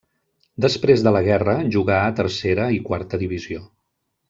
Després de la Guerra jugà a tercera i quarta divisió.